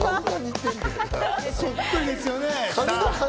そっくりですよね。